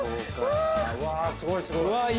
うわぁすごいすごい。